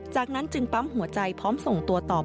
จากนั้นจึงปั๊มหัวใจพร้อมส่งตัวตอบ